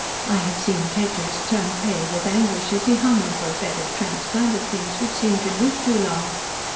I have seen Kedgers turn pale with anguish as he hung over a bed of transplanted things which seemed to droop too long.